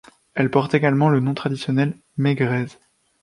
Elle porte également le nom traditionnel Megrez.